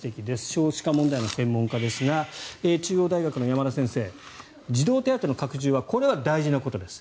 少子化問題の専門家ですが中央大学の山田先生児童手当の拡充はこれは大事なことです。